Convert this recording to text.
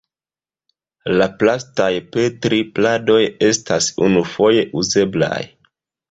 La plastaj Petri-pladoj estas unufoje uzeblaj.